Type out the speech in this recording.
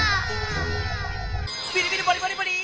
ビリビリバリバリバリッ！